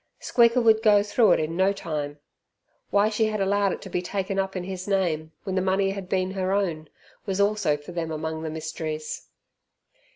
Squeaker would go through it in no time. Why she had allowed it to be taken up in his name, when the money had been her own, was also for them among the mysteries.